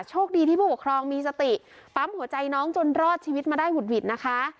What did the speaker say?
โชคดีที่ผู้ปกครองมีสติปั๊มหัวใจน้องจนรอดชีวิตมาได้หุดหวิดนะคะ